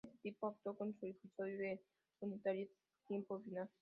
En ese tiempo actúo en un episodio del unitario Tiempo final.